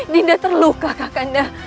dinda terluka kakanda